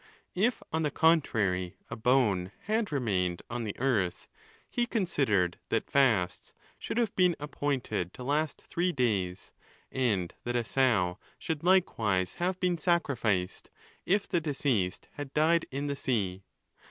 If, on the contrary, a bone had remained on the earth, he considered that fasts should have been appointed to last three days, and that a sow should likewise have been sacrificed, if the deceased had died in the sea.